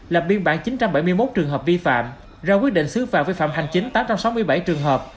lập biên bản chín trăm bảy mươi một trường hợp vi phạm ra quyết định xứ phạm vi phạm hành chính tám trăm sáu mươi bảy trường hợp